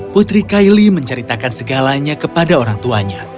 putri kylie menceritakan segalanya kepada orang tuanya